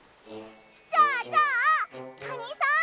じゃあじゃあカニさん！